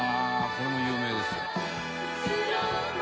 これも有名ですよ」